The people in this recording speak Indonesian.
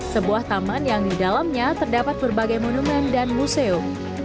sebuah taman yang didalamnya terdapat berbagai monumen dan museu